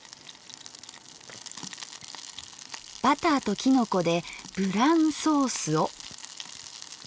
バターときのこでブランソースを。